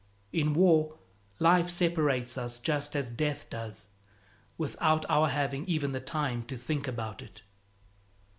In war, life separates us just as death does, without our having even the time to think about it.